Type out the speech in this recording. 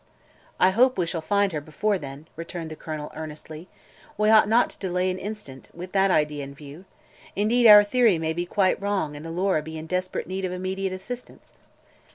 "I hope we shall find her before then," returned the Colonel earnestly. "We ought not to delay an instant, with that idea in view. Indeed, our theory may be quite wrong and Alora be in desperate need of immediate assistance."